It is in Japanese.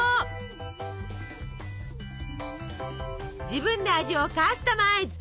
自分で味をカスタマイズ！